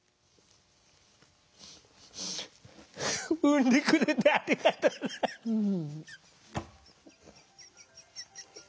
産んでくれてありがとう。